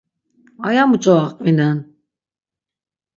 Aya muç̌o aqvinen?